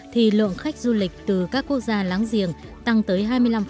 thì lượng khách du lịch từ các quốc gia láng giềng tăng tới hai mươi năm